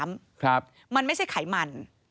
มันไม่ใช่ไขมัน